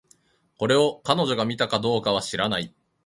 これを、彼女が見たのかどうかは知らない